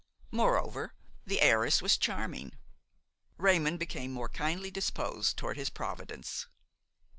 Moreover, the heiress was charming; Raymon became more kindly disposed toward his providence.